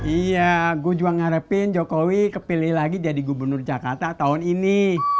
iya gue juga ngarepin jokowi kepilih lagi jadi gubernur jakarta tahun ini